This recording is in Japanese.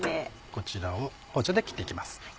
こちらを包丁で切っていきます。